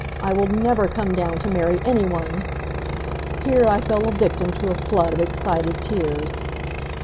I will never come down to marry any one " here I fell a victim to a flood of excited tears.